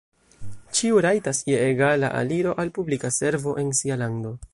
Ĉiu rajtas je egala aliro al publika servo en sia lando.